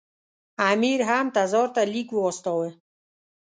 امیر هم تزار ته لیک واستاوه.